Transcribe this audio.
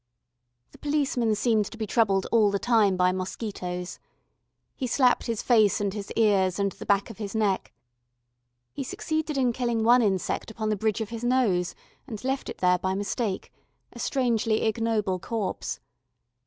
The policeman seemed to be troubled all the time by mosquitoes. He slapped his face and his ears and the back of his neck. He succeeded in killing one insect upon the bridge of his nose, and left it there by mistake, a strangely ignoble corpse.